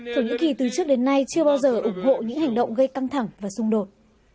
thổ nhĩ kỳ từ trước đến nay chưa bao giờ ủng hộ những hành động gây căng thẳng và xung đột